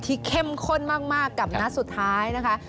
เข้มข้นมากกับนัดสุดท้ายนะคะ